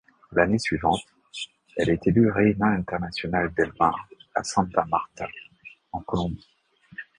L'année suivante, elle est élue Reina Internacional del Mar à Santa Marta, en Colombie.